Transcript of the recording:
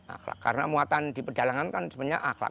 akhlak karena muatan di pedalangan kan sebenarnya akhlak